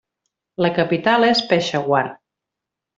La capital és Peshawar.